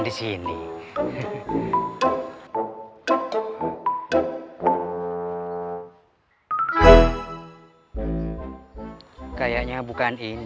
repot kalau emak tau belakangan